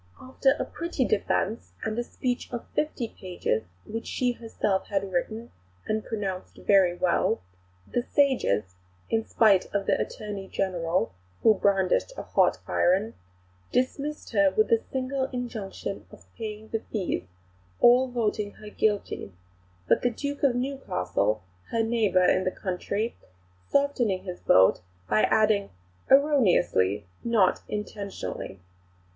After a pretty defence, and a speech of fifty pages (which she herself had written and pronounced very well), the sages, in spite of the Attorney General (who brandished a hot iron) dismissed her with the single injunction of paying the fees, all voting her guilty; but the Duke of Newcastle, her neighbour in the country, softening his vote by adding 'erroneously, not intentionally.'